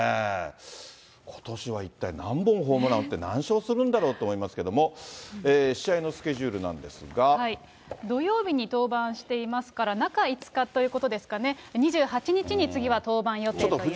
ことしは一体何本ホームランを打って、何勝するんだろうと思いますけれども、試合のスケジュールなんで土曜日に登板していますから、中５日ということですかね、２８日に次は登板予定ということです。